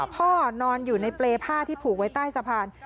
พ่อนอนอยู่ในเปรย์ผ้าที่ผูกไว้ใต้สะพาน